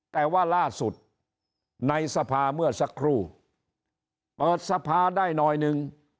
แต่ว่าล่าสุดในสภาเมื่อสักครู่เปิดสภาได้หน่อยหนึ่ง